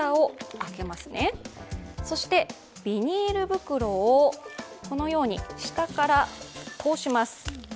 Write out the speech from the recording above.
蓋を開けますね、ビニール袋をこのように下からこうします。